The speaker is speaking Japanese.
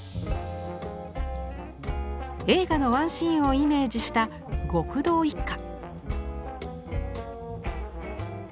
映画のワンシーンをイメージした極道一家。